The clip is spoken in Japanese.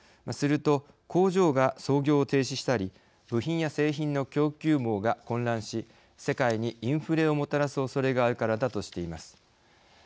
すると、工場が操業を停止したり部品や製品の供給網が混乱し世界にインフレをもたらすおそれがあるからだ」としています。